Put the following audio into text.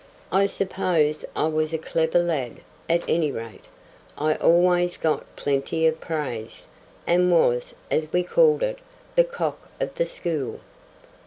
I suppose I was a clever lad; at any rate, I always got plenty of praise; and was, as we called it, the cock of the school.